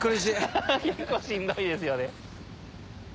ハハハ結構しんどいですよね。